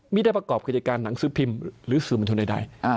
ไม่ได้ประกอบกิจการหนังสือพิมพ์หรือสื่อมวลชนใด